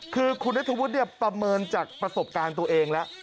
คือคุณนัทธวุฒิประเมินจากประสบการณ์ตัวเองแล้ว